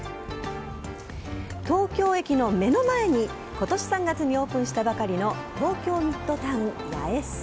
東京駅の目の前に今年３月にオープンしたばかりに東京ミッドタウン八重洲。